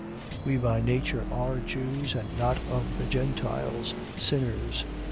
2:15. We by nature are Jews: and not of the Gentiles, sinners. 2:16.